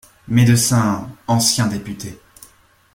Médecin, Ancien député.